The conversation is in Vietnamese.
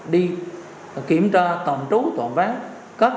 đi kiểm tra tổng trú tổng ván